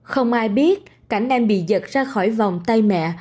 không ai biết cảnh em bị giật ra khỏi vòng tay mẹ